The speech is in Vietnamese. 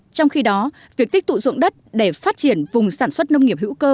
trong khi đó việc tích tụ dụng đất để phát triển vùng sản xuất nông nghiệp hữu cơ